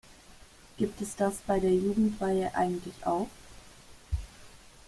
Gibt es das bei der Jugendweihe eigentlich auch?